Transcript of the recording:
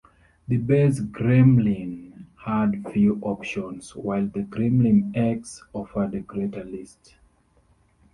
The base Gremlin had few options, while the Gremlin X offered a greater list.